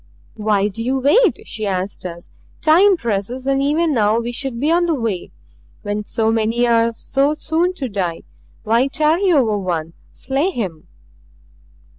"Why do you wait?" she asked us. "Time presses, and even now we should be on the way. When so many are so soon to die, why tarry over one? Slay him!"